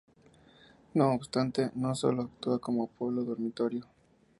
No obstante, no sólo actúa como pueblo dormitorio.